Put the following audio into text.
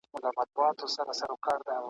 په عمر د پښتو ژبي یو شاعر `